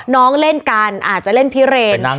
น้องเล่นกันอาจจะเล่นพิเรน